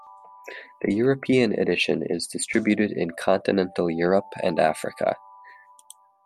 The European edition is distributed in continental Europe and Africa.